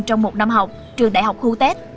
trong một năm học trường đại học khu tết